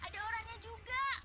ada orangnya juga